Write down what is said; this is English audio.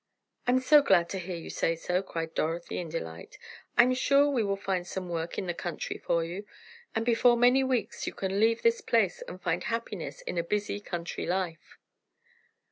"I'm so glad to hear you say so!" cried Dorothy, in delight. "I'm sure we will find some work in the country for you, and before many weeks you can leave this place, and find happiness in a busy, country life."